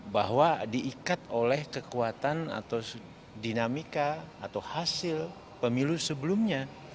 bahwa diikat oleh kekuatan atau dinamika atau hasil pemilu sebelumnya